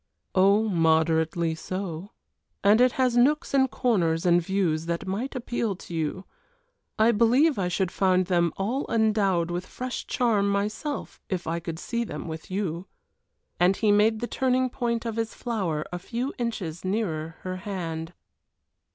"Oh, moderately so, and it has nooks and corners and views that might appeal to you. I believe I should find them all endowed with fresh charm myself, if I could see them with you" and he made the turning point of his flower a few inches nearer her hand.